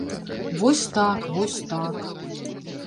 Вось так, вось так!